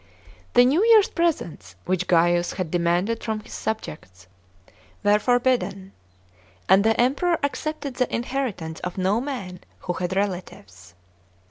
The new year's presents, which Gaius had demanded from his subjects, were forbidden, and the Emperor accepted the inheritance of no man who had relatives.